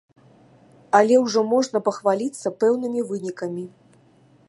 Але ўжо можа пахваліцца пэўнымі вынікамі.